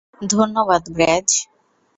ধন্যবাদ, ব্র্যায!